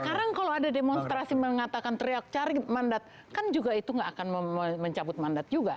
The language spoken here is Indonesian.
sekarang kalau ada demonstrasi mengatakan teriak cari mandat kan juga itu nggak akan mencabut mandat juga